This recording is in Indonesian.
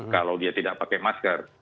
kalau dia tidak pakai masker